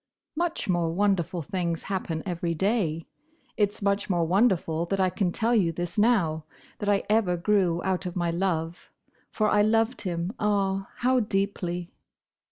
"Much more wonderful things happen every day. It's much more wonderful that I can tell you this now: that I ever grew out of my love. For I loved him—ah, how deeply!"